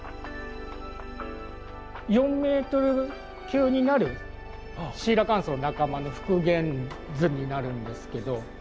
４ｍ級になるシーラカンスの仲間の復元図になるんですけど。